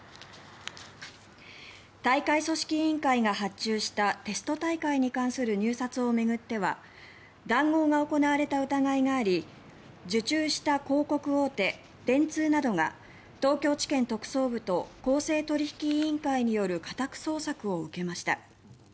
大会組織委員会が発注したテスト大会に関する入札を巡っては談合が行われた疑いがあり受注した広告大手、電通などが東京地検特捜部と公正取引委員会による家宅捜索を受けました。